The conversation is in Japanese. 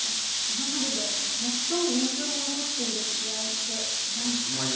今までで最も印象に残っている試合って何ですか？